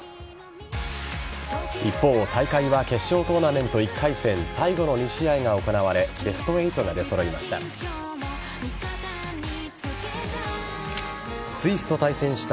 一方、大会は決勝トーナメント１回戦最後の２試合が行われベスト８が出揃いました。